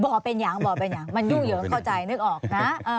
บอกเป็นอย่างมันยุ่งเยอะเข้าใจนึกออกนะ